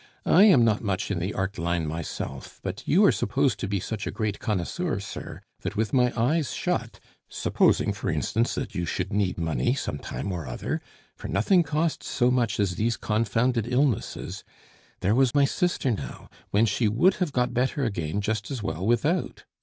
"I am not much in the art line myself; but you are supposed to be such a great connoisseur, sir, that with my eyes shut supposing, for instance, that you should need money some time or other, for nothing costs so much as these confounded illnesses; there was my sister now, when she would have got better again just as well without.